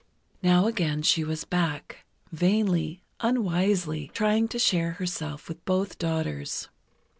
Now again she was back, vainly, unwisely trying to share herself with both daughters.